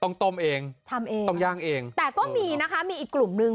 ต้มเองทำเองต้องย่างเองแต่ก็มีนะคะมีอีกกลุ่มนึง